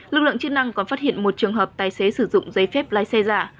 lực lượng chức năng còn phát hiện một trường hợp tài xế sử dụng giấy phép lái xe giả